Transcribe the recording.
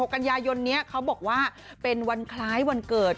กันยายนนี้เขาบอกว่าเป็นวันคล้ายวันเกิด